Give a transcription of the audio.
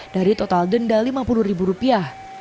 dari total denda lima puluh ribu rupiah